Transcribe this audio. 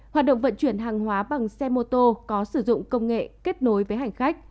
hoạt động vận chuyển hàng hóa bằng xe mô tô có sử dụng công nghệ kết nối với hành khách